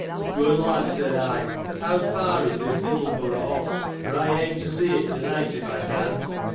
Good lad ! said I, how far is this Littleborough off ; for I aim to see it, to night, if I can.